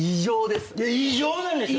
異常なんですよ